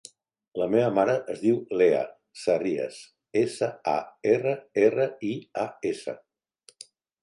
La meva mare es diu Leah Sarrias: essa, a, erra, erra, i, a, essa.